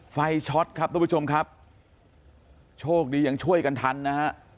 ไฟช็อตครับทุกผู้ชมครับโชคดียังช่วยกันทันนะฮะ